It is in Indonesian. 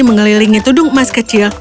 mengelilingi tudung emas kecil